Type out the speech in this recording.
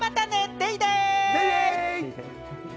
デイデイ！